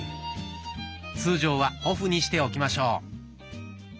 通常はオフにしておきましょう。